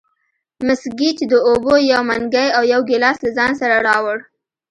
مس ګېج د اوبو یو منګی او یو ګیلاس له ځان سره راوړ.